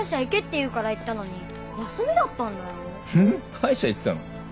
歯医者行ってたの？